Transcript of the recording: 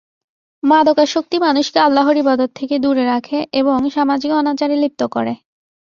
মাদকাসক্তি মানুষকে আল্লাহর ইবাদত থেকে দূরে রাখে এবং সামাজিক অনাচারে লিপ্ত করে।